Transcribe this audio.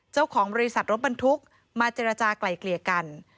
เจ้าของบริษัทรถบรรทุกมาเจรจากลายเกลี่ยกัน